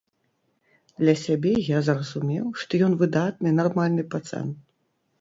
Для сябе я зразумеў, што ён выдатны нармальны пацан.